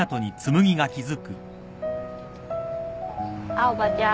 青羽ちゃん